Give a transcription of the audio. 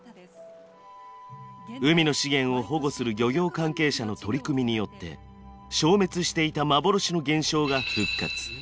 海の資源を保護する漁業関係者の取り組みによって消滅していた幻の現象が復活。